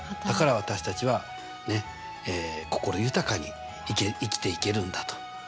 だから私たちはねっ心豊かに生きていけるんだと。